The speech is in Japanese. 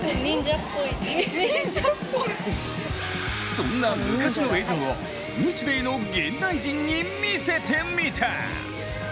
そんな昔の映像を日米の現代人に見せてみた。